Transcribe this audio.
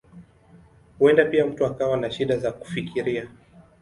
Huenda pia mtu akawa na shida za kufikiria.